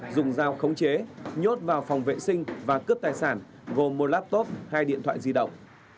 dùng dao khống chế nhốt vào phòng vệ sinh và cướp tài sản gồm một laptop hai điện thoại di động